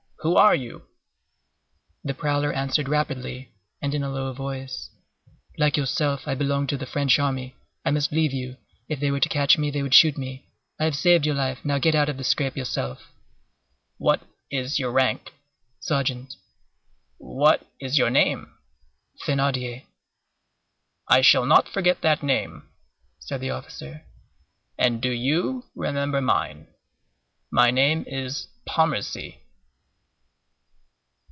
Who are you?" The prowler answered rapidly, and in a low voice:— "Like yourself, I belonged to the French army. I must leave you. If they were to catch me, they would shoot me. I have saved your life. Now get out of the scrape yourself." "What is your rank?" "Sergeant." "What is your name?" "Thénardier." "I shall not forget that name," said the officer; "and do you remember mine. My name is Pontmercy."